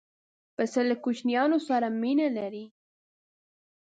پسه له کوچنیانو سره مینه لري.